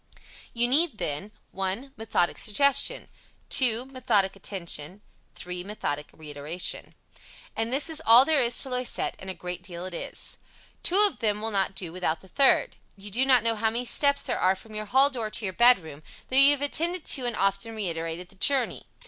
You need, then: 1. Methodic suggestion. 2. Methodic attention. 3. Methodic reiteration. And this is all there is to Loisette, and a great deal it is. Two of them will not do without the third. You do not know how many steps there are from your hall door to your bedroom, though you have attended to and often reiterated the journey.